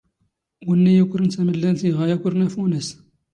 ⵡⵏⵏⵉ ⵢⵓⴽⵔⵏ ⵜⴰⵎⵍⵍⴰⵍⵜ ⵉ ⵖⴰ ⵢⴰⴽⵯⵔⵏ ⴰⴼⵓⵏⴰⵙ.